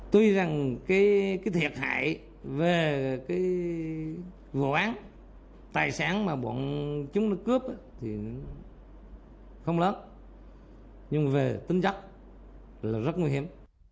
tuy rằng cái thiệt hại về cái vụ án tài sản mà bọn chúng nó cướp thì nó không lớn nhưng về tính chất là rất nguy hiểm